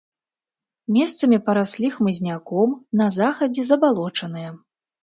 Месцамі параслі хмызняком, на захадзе забалочаныя.